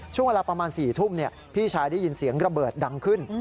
ช่วงเวลาประมาณ๔ทุ่มพี่ชายได้ยินเสียงระเบิดดังขึ้น